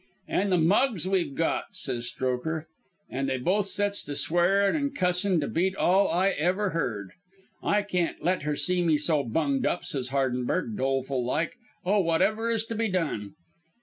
"'An' the mugs we've got!' says Strokher. "An' they both sets to swearin' and cussin' to beat all I ever heard. "'I can't let her see me so bunged up,' says Hardenberg, doleful like, 'Oh, whatever is to be done?'